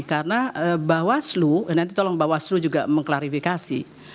karena bawaslu nanti tolong bawaslu juga mengklarifikasi